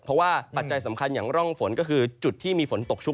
เพราะว่าปัจจัยสำคัญอย่างร่องฝนก็คือจุดที่มีฝนตกชุก